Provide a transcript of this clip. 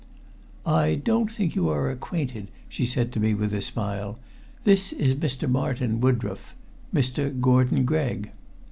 "I don't think you are acquainted," she said to me with a smile. "This is Mr. Martin Woodroffe Mr. Gordon Gregg."